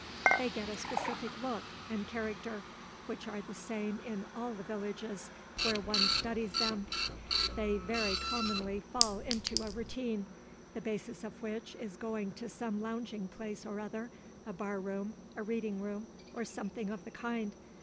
They get a specific look and character, which are the same in all the villages where one studies them. They very commonly fall into a routine, the basis of which is going to some lounging place or other, a bar room, a reading room, or something of the kind.